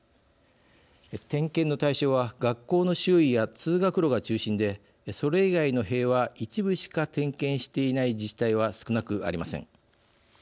点検の対象は学校の周囲や通学路が中心でそれ以外の塀は一部しか点検していない自治体は少なくありません。